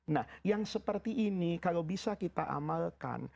nah yang seperti ini kalau bisa kita amalkan